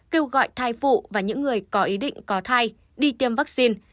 kêu gọi thai phụ và những người có ý định có thai đi tiêm vaccine